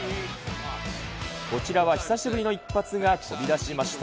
こちらは久しぶりの一発が飛び出しました。